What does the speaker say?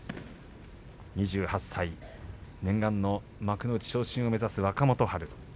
２８歳、念願の幕内昇進を目指す若元春。